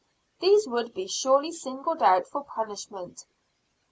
These would be surely singled out for punishment.